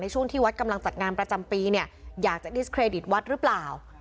ช่วงที่วัดกำลังจัดงานประจำปีเนี่ยอยากจะดิสเครดิตวัดหรือเปล่า